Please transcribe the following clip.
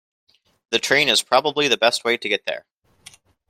The train is probably the best way to get there.